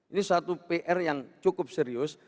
ini satu pr yang cukup serius